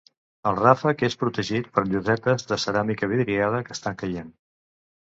El ràfec és protegit per llosetes de ceràmica vidriada que estan caient.